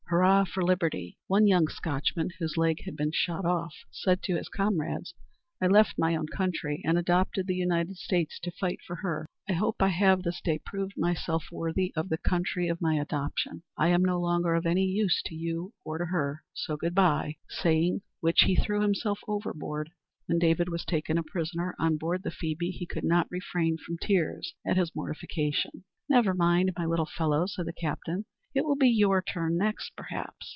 Hurrah for liberty!" One young Scotchman, whose leg had been shot off, said to his comrades, "I left my own country and adopted the United States to fight for her. I hope I have this day proved myself worthy of the country of my adoption. I am no longer of any use to you or to her; so good bye!" saying which he threw himself overboard. When David was taken a prisoner on board the Phoebe, he could not refrain from tears at his mortification. "Never mind, my little fellow," said the captain; "it will be your turn next, perhaps."